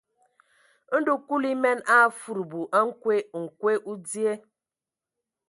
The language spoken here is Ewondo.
Ndɔ Kulu emen a afudubu a nkwe: nkwe o dzyee.